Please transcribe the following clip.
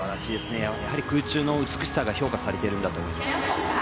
やはり空中の美しさが評価されているんだと思います。